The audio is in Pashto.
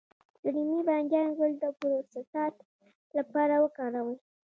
د رومي بانجان ګل د پروستات لپاره وکاروئ